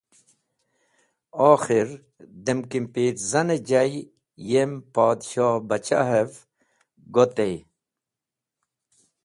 Okhir, dem kimpirzan jay yem Podshohbachahev gotey.